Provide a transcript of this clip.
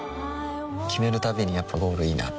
決めるたびにやっぱゴールいいなってふん